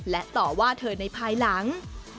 และต่อว่าเธอในภายหลัง